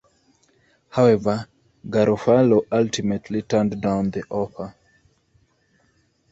However, Garofalo ultimately turned down the offer.